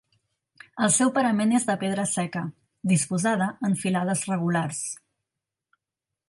El seu parament és de pedra seca disposada en filades regulars.